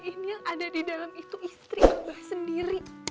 ini yang ada di dalam itu istri abah sendiri